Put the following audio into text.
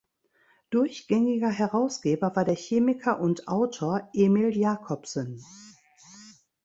Durchgängiger Herausgeber war der Chemiker und Autor Emil Jacobsen.